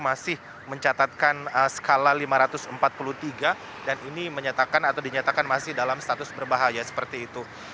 masih mencatatkan skala lima ratus empat puluh tiga dan ini menyatakan atau dinyatakan masih dalam status berbahaya seperti itu